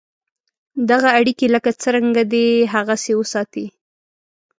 دغه اړیکي لکه څرنګه دي هغسې وساتې.